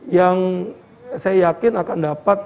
yang saya yakin akan dapat